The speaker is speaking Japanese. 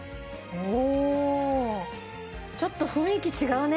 おちょっと雰囲気違うね